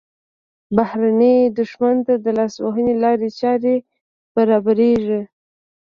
بهرني دښمن ته د لاسوهنې لارې چارې برابریږي.